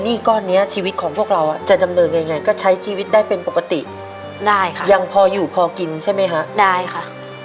ก้อนนี้ชีวิตของพวกเราจะดำเนินยังไงก็ใช้ชีวิตได้เป็นปกติได้ค่ะยังพออยู่พอกินใช่ไหมฮะได้ค่ะ